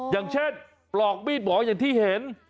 อย่างเช่นปลอกมีดหมออย่างที่เห็น